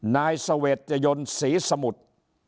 นายสเวทยนต์ศรีสมุทธ์